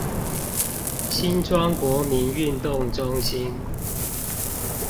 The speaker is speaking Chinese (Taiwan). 新莊國民運動中心